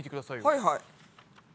はいはい。